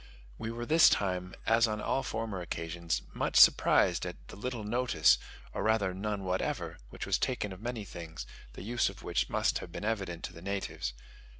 We were this time, as on all former occasions, much surprised at the little notice, or rather none whatever, which was taken of many things, the use of which must have been evident to the natives.